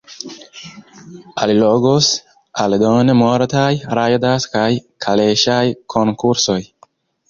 Allogos aldone multaj rajdaj kaj kaleŝaj konkursoj.